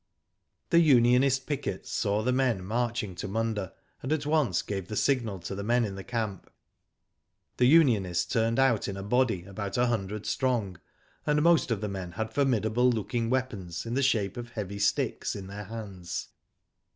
The unionist pickets saw the men marching to Munda, and at once gave the signal to the men in camp. The unionists turned out in a body about a hundred strong, and most of the men had formidable looking weapons, in the shape of heavy sticks, in their hands.